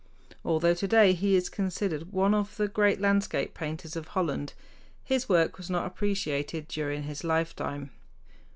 Although today he is considered one of the great landscape painters of Holland, his work was not appreciated during his lifetime.